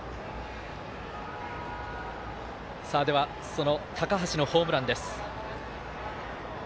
その高橋のホームランです。